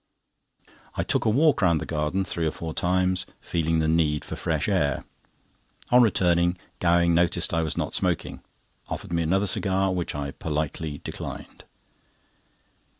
I took a walk round the garden three or four times, feeling the need of fresh air. On returning Gowing noticed I was not smoking: offered me another cigar, which I politely declined.